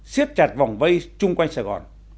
xiếp chặt vòng vây chung quanh sài gòn